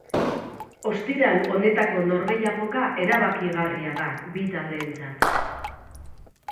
Ostiral honetako norgehiagoka erabakigarria da bi taldeentzat.